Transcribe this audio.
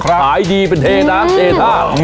ขายดีเป็นเทนะเจธ่า